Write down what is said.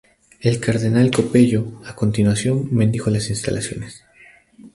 El cardenal Copello, a continuación, bendijo las instalaciones.